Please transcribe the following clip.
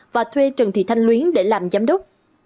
và thuê trần thị thanh luyến để làm giám đốc